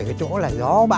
cái chỗ là gió bạc